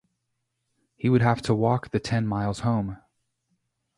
He would have to walk the ten miles home.